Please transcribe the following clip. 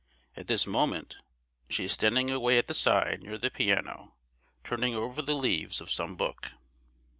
At this moment she is standing away at the side near the piano, turning over the leaves of some book.